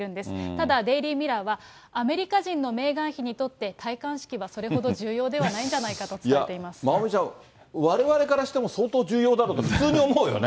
ただデイリー・ミラーは、アメリカ人のメーガン妃にとって戴冠式はそれほど重要ではないんまおみちゃん、われわれからしても相当重要だと普通に思うよね。